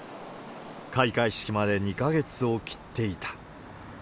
開会式まで２か月を切っていた。